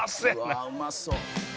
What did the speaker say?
うわーうまそう。